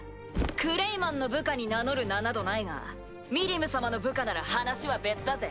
クレイマンの部下に名乗る名などないがミリム様の部下なら話は別だぜ。